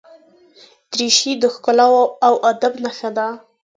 دریشي د ښکلا او ادب نښه ده.